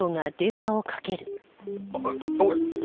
あっおい。